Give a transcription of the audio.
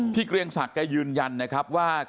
เกรียงศักดิ์แกยืนยันนะครับว่า